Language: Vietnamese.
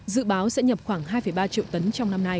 dự báo sẽ nhập khoảng hai ba triệu tấn trong năm nay